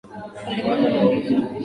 alingojea maagizo ya wafanyikazi wa meli